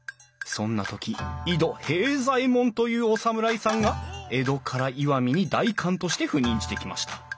そんな時井戸平左衛門というお侍さんが江戸から石見に代官として赴任してきました。